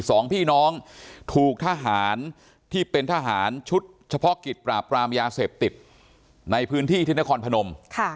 สองพี่น้องถูกทหารที่เป็นทหารชุดเฉพาะกิจปราบปรามยาเสพติดในพื้นที่ที่นครพนม